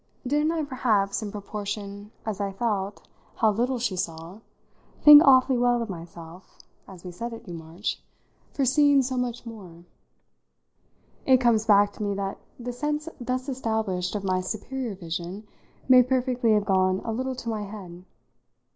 Didn't I perhaps, in proportion as I felt how little she saw, think awfully well of myself, as we said at Newmarch, for seeing so much more? It comes back to me that the sense thus established of my superior vision may perfectly have gone a little to my head.